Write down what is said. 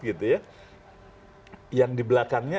gitu ya yang di belakangnya